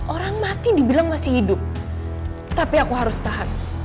orang mati dibilang masih hidup tapi aku harus tahan